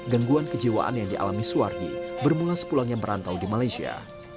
gengguan kejiwaan yang dialami swardi bermula sepulang yang berantau di malaysia